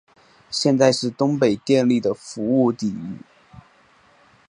现在是东北电力的服务地域。